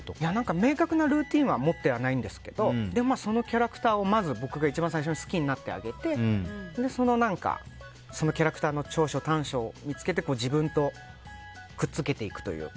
明確なルーティンは持ってないんですがそのキャラクターをまず僕が一番最初に好きになってあげてそれで、そのキャラクターの長所、短所を見つけて自分とくっつけていくというか。